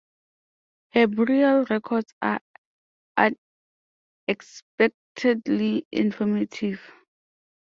Her burial records are unexpectedly informative.